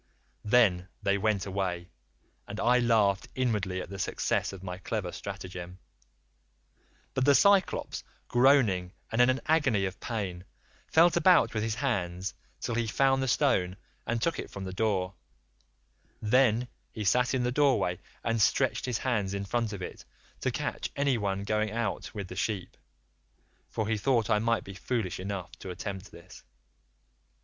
"Then they went away, and I laughed inwardly at the success of my clever stratagem, but the Cyclops, groaning and in an agony of pain, felt about with his hands till he found the stone and took it from the door; then he sat in the doorway and stretched his hands in front of it to catch anyone going out with the sheep, for he thought I might be foolish enough to attempt this.